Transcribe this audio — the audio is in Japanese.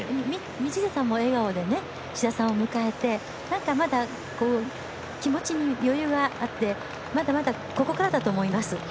道下さんも笑顔で志田さんを迎えてまだ気持ちに余裕があってまだまだここからだと思います。